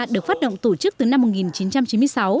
được phát động tổ chức từ năm một nghìn chín trăm chín mươi sáu